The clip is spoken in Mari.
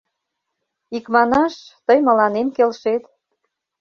Икманаш, тый мыланем келшет.